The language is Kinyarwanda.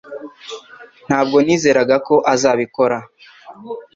Ntabwo nizeraga ko azabikora